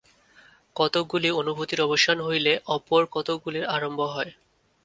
কতকগুলি অনুভূতির অবসান হইলেই অপর কতকগুলি আরম্ভ হয়।